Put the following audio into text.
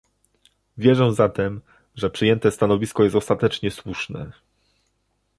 Wierzę zatem, że przyjęte stanowisko jest ostatecznie słuszne